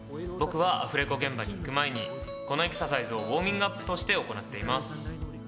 僕はアフレコ現場に行く前にこのエクササイズをウオーミングアップとして行っています。